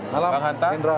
selamat malam indro